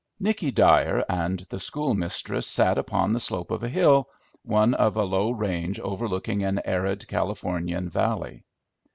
Nicky Dyer and the schoolmistress sat upon the slope of a hill, one of a low range overlooking an arid Californian valley.